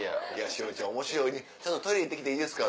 「栞里ちゃん面白いねちょっとトイレ行ってきていいですか？」。